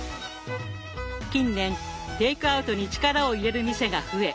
近年テイクアウトに力を入れる店が増え